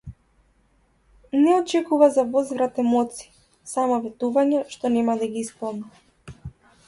Не очекува за возврат емоции, само ветувања, што нема да ги исполнам.